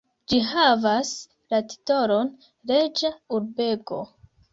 Ĝi havas la titolon reĝa urbego.